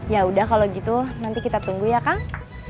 ya udah kalau gitu nanti kita tunggu ya kang